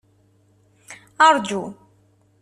Rǧu!